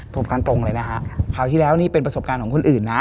พบกันตรงเลยนะฮะคราวที่แล้วนี่เป็นประสบการณ์ของคนอื่นนะ